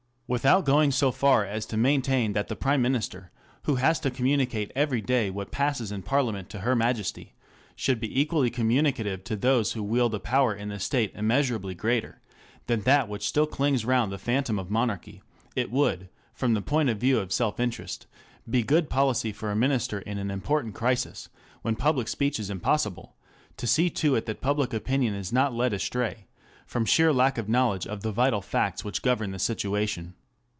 Without going so far as to maintain that the Prime Minister, who has to communicate every day what passes in Parlia ment to her Majesty, should be equally communicative to those who wield a power in the State immeasurably greater than that which still clings round the phantom of monarchy, it would, from the point of view of self interest, be good policy for a Minister in an important crisis, when public speech is impossible, to see to it that public opinion is not led astray from sheer lack of knowledge of the vital facts which govern the situation.